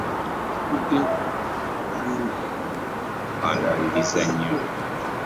Kivudde ku kutukandaaliriza nnyo.